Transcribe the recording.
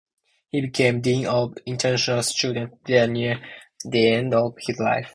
He became Dean of international students there near the end of his life.